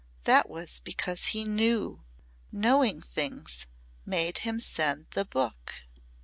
That was because he knew. Knowing things made him send the book."